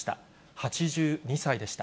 ８２歳でした。